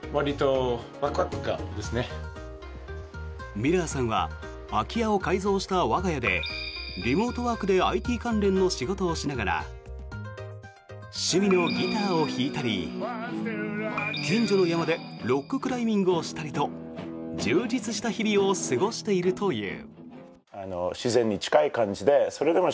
ミラーさんは空き家を改造した我が家でリモートワークでＩＴ関連の仕事をしながら趣味のギターを弾いたり近所の山でロッククライミングをしたりと充実した日々を過ごしているという。